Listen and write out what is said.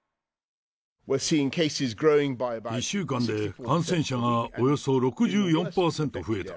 １週間で感染者がおよそ６４％増えた。